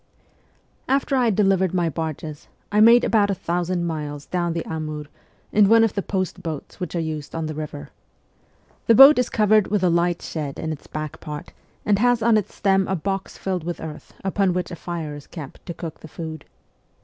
After I had delivered my barges, I made about a thousand miles down the Amur in one of the post boats which are used on the river. The boat is covered with a light shed in its back part, and has on its stem a box filled with earth upon which a fire is kept to cook the food.